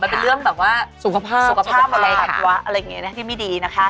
มันเป็นเรื่องสุขภาพตอบตรวจ